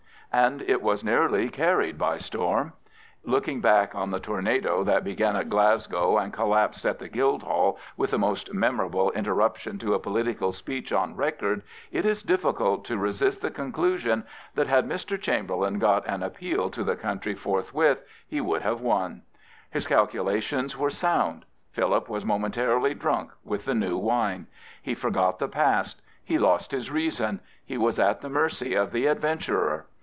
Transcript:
And it was nearly carried by storm. Looking back on the tornado that began at Glasgow and collapsed at the Guildhall with the most memorable inter ruption to a political speech on record, it is difficult to resist the conclusion that, had Mr. Chamberlain got an appeal to the country forthwith, he would have won. His calculations were sound. Philip was momentarily drunk with the new wine. He forgot the past; he lost his reason; he was at the mercy of the adventurer.